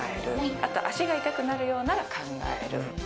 あと、足が痛くなるようなら考える。